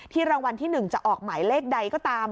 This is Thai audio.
รางวัลที่๑จะออกหมายเลขใดก็ตาม